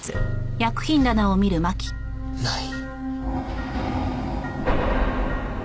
ない。